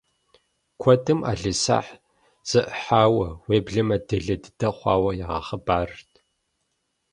Куэдым ӏэлисахь зэӏыхьауэ, уеблэмэ делэ дыдэ хъуауэ ягъэхъыбарырт.